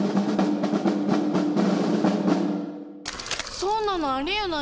そんなのありえないよ。